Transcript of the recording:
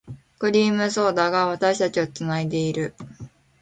クリームソーダが、私たちを繋いでいる。